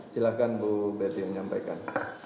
silahkan bu beti menyampaikan